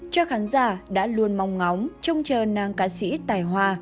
cho khán giả đã luôn mong ngóng trông chờ nàng ca sĩ tài hoa